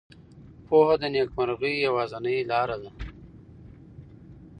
پوهه د نېکمرغۍ یوازینۍ لاره ده.